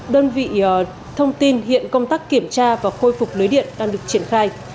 đơn vị thông tin hiện công tác kiểm tra và khôi phục lưới điện đang được triển khai